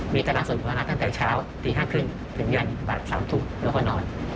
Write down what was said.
มีแต่ละศูนย์ภาวนาตั้งแต่เช้าตี๕๓๐ถึงเย็นบาท๓ทุกแล้วก็นอน